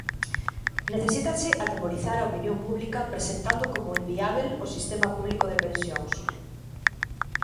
Necesítase atemorizar a opinión pública presentando como inviábel o sistema público de pensións.